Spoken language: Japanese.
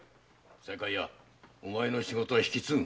西海屋お前の仕事は引き継ぐ。